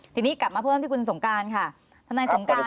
ทีนี้กลับมาเพิ่มที่คุณสงการค่ะ